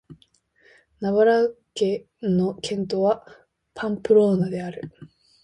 ナバーラ県の県都はパンプローナである